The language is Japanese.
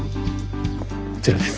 こちらです。